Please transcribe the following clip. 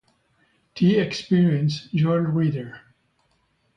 T Experience, Joel Reader.